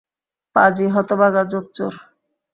পাজি, হতভাগা, জোচ্চোর!